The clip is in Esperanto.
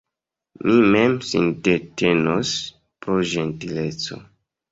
Mi mem sindetenos – pro ĝentileco.